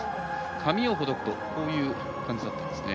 髪をほどくとこういう感じだったんですね。